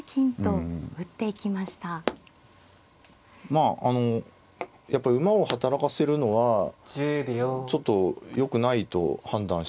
まああのやっぱり馬を働かせるのはちょっとよくないと判断したんですね